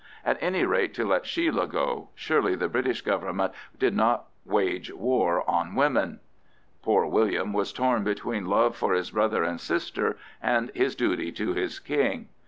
At any rate to let Sheila go—surely the British Government did not wage war on women. Poor William was torn between love for his brother and sister and his duty to his King.